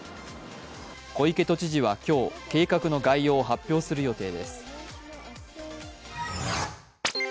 小池都知事は今日、計画の概要を発表する予定です。